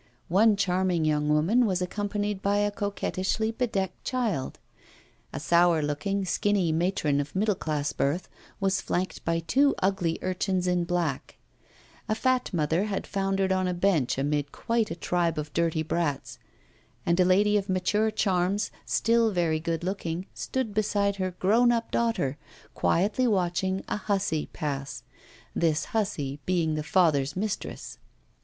One charming young woman was accompanied by a coquettishly bedecked child; a sour looking, skinny matron of middle class birth was flanked by two ugly urchins in black; a fat mother had foundered on a bench amid quite a tribe of dirty brats; and a lady of mature charms, still very good looking, stood beside her grown up daughter, quietly watching a hussy pass this hussy being the father's mistress.